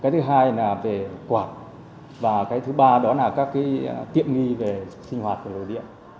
thứ hai là về quạt và thứ ba là tiệm nghi về sinh hoạt của đồ điện